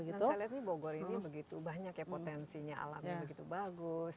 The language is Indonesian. kita lihat nih bogor ini begitu banyak ya potensinya alamnya begitu bagus